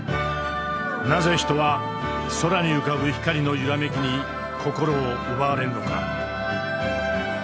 なぜ人は空に浮かぶ光の揺らめきに心を奪われるのか。